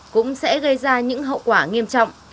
cũng sẽ gây ra những hậu quả nghiêm trọng